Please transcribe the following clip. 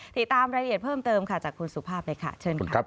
ติดตามรายละเอียดเพิ่มเติมค่ะจากคุณสุภาพเลยค่ะเชิญค่ะ